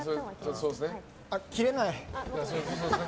切れない。